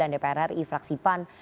dpr ri fraksi pan